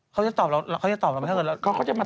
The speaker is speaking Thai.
เขาจะตอบเราถ้าเกิดแล้ว